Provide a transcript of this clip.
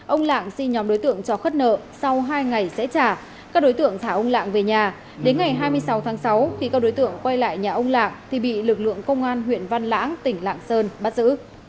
ông lạng xin nhóm đối tượng cho khất nợ sau hai ngày sẽ trả các đối tượng thả ông lạng về nhà đến ngày hai mươi sáu tháng sáu khi các đối tượng quay lại nhà ông lạng thì bị lực lượng công an huyện văn lãng tỉnh lạng sơn bắt giữ